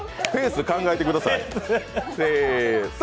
ペース考えてください。